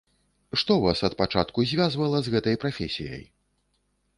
Што вас ад пачатку звязвала з гэтай прафесіяй?